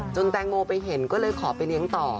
แตงโมไปเห็นก็เลยขอไปเลี้ยงต่อ